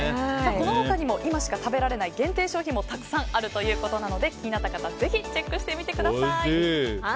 この他にも今しか食べられない限定商品もたくさんあるということなので気になった方はぜひチェックしてみてください。